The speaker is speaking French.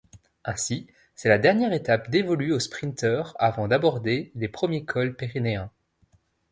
Ainsi, c'est la dernière étape dévolue aux sprinters avant d'aborder les premiers cols pyrénéens.